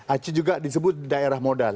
aceh juga disebut daerah modal